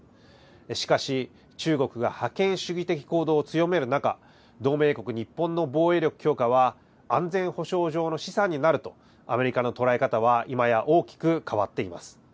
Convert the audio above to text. しかし、中国が覇権主義的行動を強める中、同盟国、日本の防衛力強化は、安全保障上の資産になると、アメリカの捉え方は、今や大きく変わっています。